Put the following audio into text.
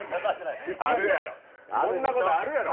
こんなことあるやろ。